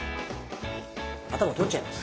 頭取っちゃいます。